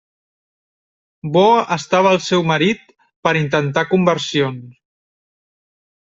Bo estava el seu marit per a intentar conversions!